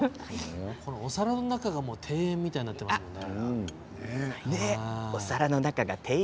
お皿の中が庭園みたいになっていますね。